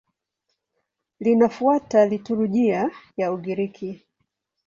Linafuata liturujia ya Ugiriki.